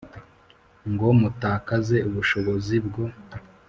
ngo mutakaze ubushobozi bwo